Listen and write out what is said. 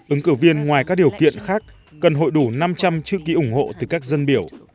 ứng cử viên ngoài các điều kiện khác cần hội đủ năm trăm linh chữ ký ủng hộ từ các dân biểu